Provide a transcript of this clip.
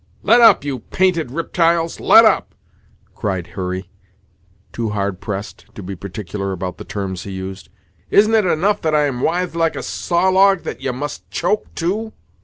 "Let up, you painted riptyles let up!" cried Hurry, too hard pressed to be particular about the terms he used; "isn't it enough that I am withed like a saw log that ye must choke too!"